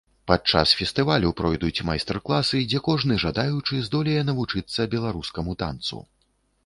Падчас фестывалю пройдуць майстар класы, дзе кожны жадаючы здолее навучыцца беларускаму танцу.